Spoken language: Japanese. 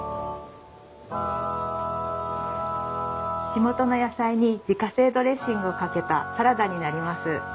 地元の野菜に自家製ドレッシングをかけたサラダになります。